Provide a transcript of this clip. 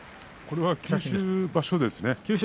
九州場所ですね